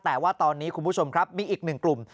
แต่ว่าตอนนี้คุณผู้ชมครับมีอีกหนึ่งกลุ่ม